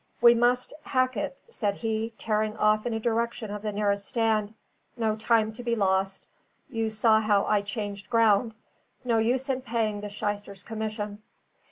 "We must hack it," said he, tearing off in the direction of the nearest stand. "No time to be lost. You saw how I changed ground. No use in paying the shyster's commission."